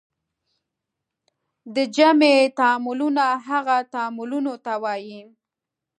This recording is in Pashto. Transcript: جمعي تعاملونه هغه تعاملونو ته وایي.